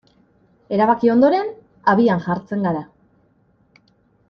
Erabaki ondoren, abian jartzen gara.